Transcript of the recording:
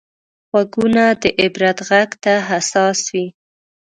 غوږونه د عبرت غږ ته حساس وي